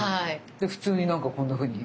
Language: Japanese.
で普通になんかこんなふうに。